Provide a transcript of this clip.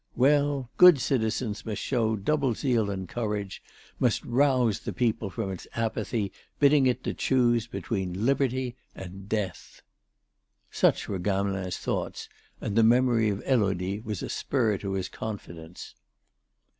Well, good citizens must show double zeal and courage, must rouse the people from its apathy, bidding it choose between liberty and death. Such were Gamelin's thoughts, and the memory of Élodie was a spur to his confidence.